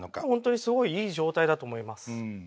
本当にすごいいい状態だと思います。